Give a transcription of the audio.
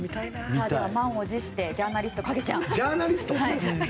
最後、満を持してジャーナリスト、影ちゃん。